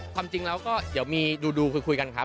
ความจริงแล้วก็เดี๋ยวมีดูคุยกันครับ